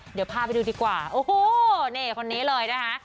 เดี๋ยวพาไปดูดีกว่าโอ้โหนี่คนนี้เลยนะคะ